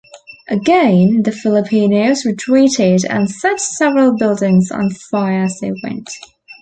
Again the Filipinos retreated and set several buildings on fire as they went.